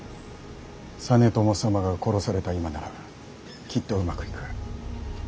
実朝様が殺された今ならきっとうまくいく。